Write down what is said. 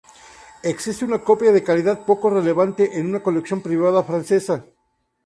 Existe una copia de calidad poco relevante en una colección privada francesa.